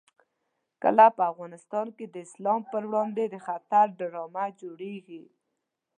کله په افغانستان کې د اسلام په وړاندې د خطر ډرامه جوړېږي.